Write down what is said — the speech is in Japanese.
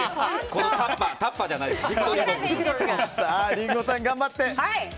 リンゴさん、頑張って。